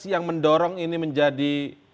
yang mendorong ini menjadi